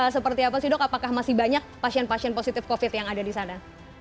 seperti apa sih dok apakah masih banyak pasien pasien positif covid yang ada di sana